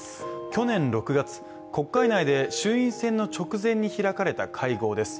去年６月、国会内で衆院選の直前に開かれた会合です。